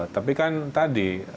tapi kan tadi